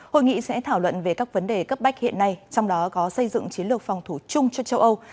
hội nghị sẽ thảo luận về các vấn đề cấp bách hiện nay trong đó có xây dựng chiến lược phòng thủ chung cho châu âu